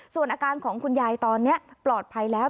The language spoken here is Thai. ส่วนอาการของคุณยายตอนนี้ปลอดภัยแล้ว